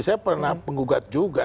saya pernah penggugat juga